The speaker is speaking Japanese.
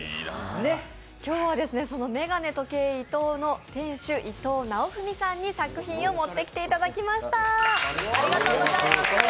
今日は眼鏡・時計いとおの伊藤さんに作品を持ってきていただきました。